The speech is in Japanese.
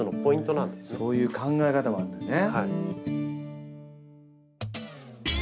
そういう考え方もあるのね。